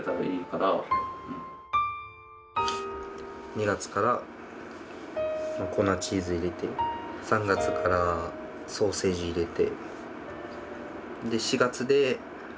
２月から粉チーズ入れて３月からソーセージ入れて。